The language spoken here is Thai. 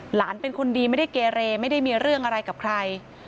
หลานเป็นคนดีไม่ได้เกเรไม่ได้มีเรื่องอะไรกับใคร